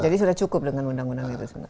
jadi sudah cukup dengan undang undang negara